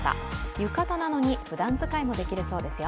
浴衣なのにふだん使いもできるそうですよ。